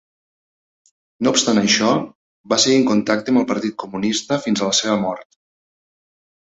No obstant això, va seguir en contacte amb el partit comunista fins a la seva mort.